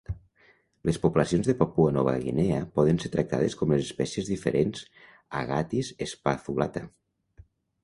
Les poblacions de Papua Nova Guinea poden ser tractades com les espècies diferents Agathis spathulata.